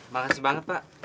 makasih banget pak